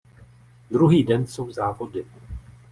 Druhý den jsou závody.